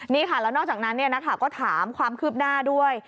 นี่ค่ะแล้วนอกจากนั้นก็ถามความคืบหน้าด้วย